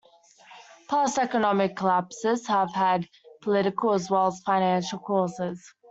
Past economic collapses have had political as well as financial causes.